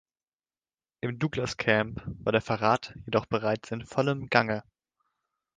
Im Douglas-Camp war der Verrat jedoch bereits in vollem Gange.